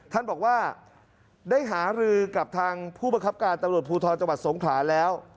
ท่านบอกว่าได้หารือกับทางผู้บังคับการตำรวจภูทรจังหวัดสงขลาแล้ว